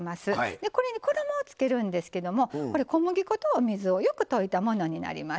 でこれに衣をつけるんですけどもこれ小麦粉とお水をよく溶いたものになりますね。